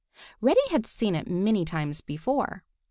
Reddy had seen it many times before.